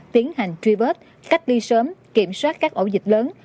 tiến hành tri bớt cách ly sớm kiểm soát các ổ dịch lớn